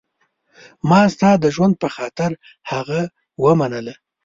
ما ستا د ژوند په خاطر هغه ومنله.